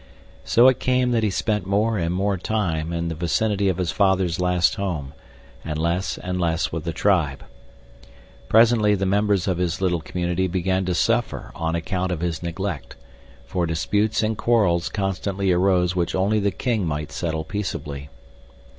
So it came that he spent more and more time in the vicinity of his father's last home, and less and less with the tribe. Presently the members of his little community began to suffer on account of his neglect, for disputes and quarrels constantly arose which only the king might settle peaceably.